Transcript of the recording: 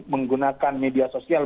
menggunakan media sosial